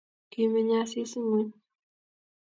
Kimenyei Asisi ngweny